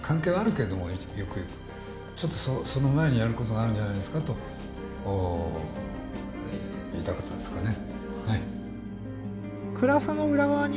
ちょっとその前にやることがあるんじゃないですかと言いたかったですかね。